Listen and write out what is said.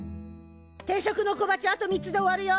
定食の小鉢あと３つで終わるよ！